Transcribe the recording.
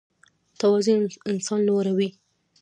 تواضع انسان لوړوي